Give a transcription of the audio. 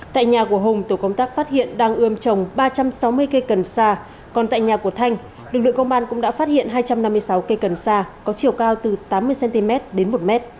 tại nhà của hùng tổ công tác phát hiện đang ươm trồng ba trăm sáu mươi cây cần sa còn tại nhà của thanh lực lượng công an cũng đã phát hiện hai trăm năm mươi sáu cây cần sa có chiều cao từ tám mươi cm đến một m